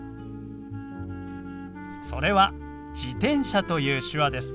それは「自転車」という手話です。